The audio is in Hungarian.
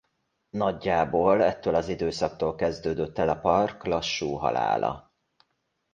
Nagyjából ettől az időszaktól kezdődött el a park lassú halála.